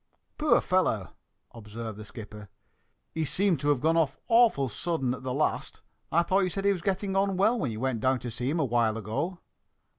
"Poor fellow!" observed the skipper. "He seems to have gone off awfully sudden at the last. I thought you said he was getting on well when you went down to see him awhile ago?"